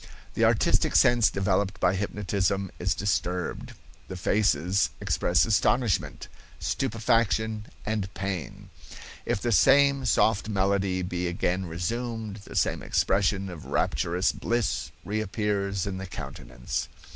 The artistic sense developed by hypnotism is disturbed; the faces express astonishment, stupefaction and pain. If the same soft melody be again resumed, the same expression of rapturous bliss reappears in the countenance.